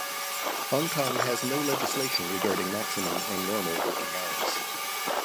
Hong Kong has no legislation regarding maximum and normal working hours.